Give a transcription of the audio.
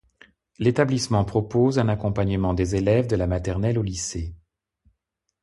L'établissement propose un accompagnement des élèves de la maternelle au lycée.